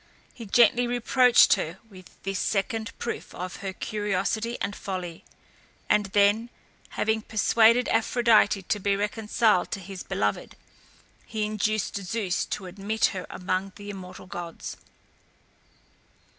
He gently reproached her with this second proof of her curiosity and folly, and then, having persuaded Aphrodite to be reconciled to his beloved, he induced Zeus to admit her among the immortal gods.